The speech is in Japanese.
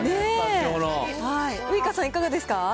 ウイカさん、いかがですか。